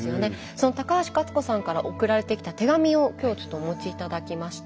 その高橋勝子さんから送られてきた手紙を今日ちょっとお持ち頂きました。